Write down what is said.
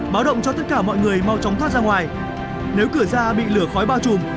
báo động cho tất cả mọi người mau chóng thoát ra ngoài nếu cửa ra bị lửa khói bao trùm